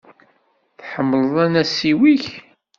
Tḥemmleḍ anasiw-ik?